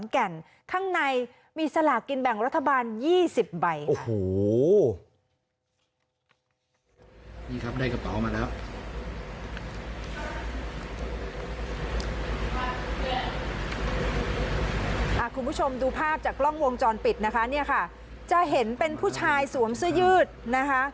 คุณผู้ชมดูภาพจากกล้องวงจรปิดนะคะเนี่ยค่ะจะเห็นเป็นผู้ชายสวมเสื้อยืดนะคะ